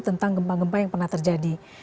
tentang gempa gempa yang pernah terjadi